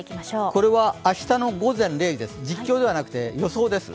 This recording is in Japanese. これは明日の午前０時です、実況ではなくて予報です。